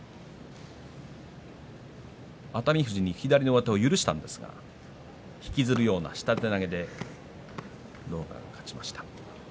熱海富士に左のまわしを許したんですが引きずるような下手投げで勝っています。